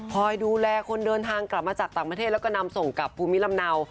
คอยดูแลคนเดินทางกลับมาจากต่างประเทศแล้วก็นำส่งกลับภูมิลำเนา